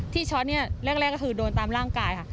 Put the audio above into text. ช็อตเนี่ยแรกก็คือโดนตามร่างกายค่ะ